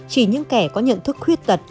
chỉ những kẻ có nhận thức khuyết tật